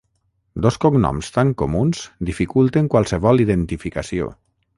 Dos cognoms tan comuns dificulten qualsevol identificació.